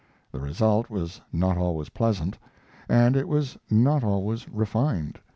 The result was not always pleasant, and it was not always refined.